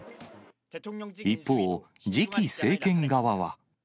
一方、次期政権側は。